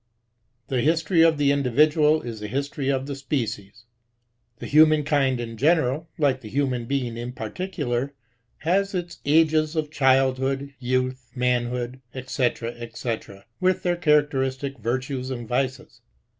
The history of the individual is the history of the species. The human kind in general, like TBESCHOW. 153 the human being in particular, has its ages of childhood, youth, manhood, &c. Sec. with their characteristic virtues and vices.